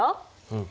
うん。